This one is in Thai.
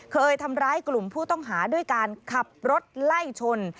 เคยทำร้ายกลุ่มผู้ต้องหาด้วยการขับรถไล่ชน